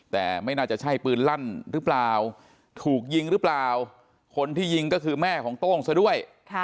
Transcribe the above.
แต่ไม่น่าจะใช่ปืนลั่นหรือเปล่าถูกยิงหรือเปล่าคนที่ยิงก็คือแม่ของโต้งซะด้วย